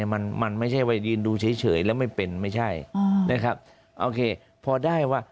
มันไม่ใช่ว่ายินดูเฉยแล้วไม่เป็นไม่ใช่โอเคพอได้ว่า